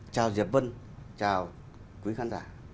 chào diệp vân chào quý khán giả